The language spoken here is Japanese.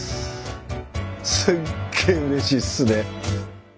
すっげえうれしいっすね。